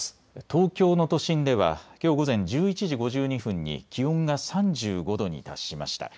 東京の都心ではきょう午前１１時５２分に気温が３５度に達しました。